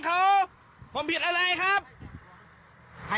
คุณคุณเมามั้ยหรือเปล่า